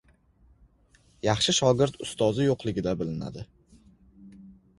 Yaxshi shogird ustozi yoʻqligida bilinadi.